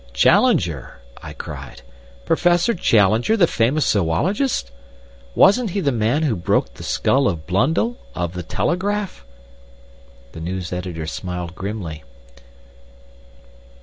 "Challenger!" I cried. "Professor Challenger, the famous zoologist! Wasn't he the man who broke the skull of Blundell, of the Telegraph?" The news editor smiled grimly.